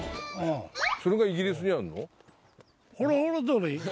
それがイギリスにあんの？